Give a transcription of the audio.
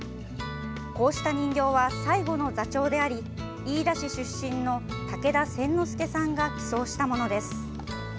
こうした人形は最後の座長であり飯田市出身の竹田扇之助さんが寄贈したものです。